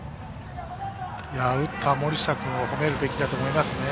打った森下君を褒めるべきだと思いますね。